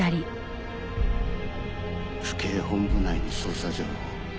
府警本部内の捜査情報